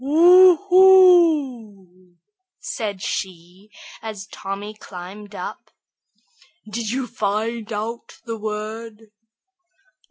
"Oo hoo," said she, as Tommy climbed up. "Did you find out the word?"